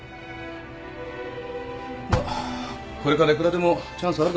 まあこれからいくらでもチャンスあるだろ。